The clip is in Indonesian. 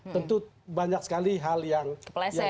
tentu banyak sekali hal yang